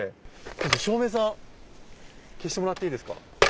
じゃあ照明さん消してもらっていいですか？